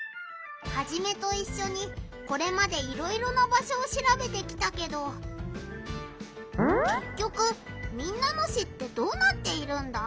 ハジメといっしょにこれまでいろいろな場所をしらべてきたけどけっきょく民奈野市ってどうなっているんだ？